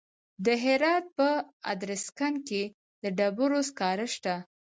د هرات په ادرسکن کې د ډبرو سکاره شته.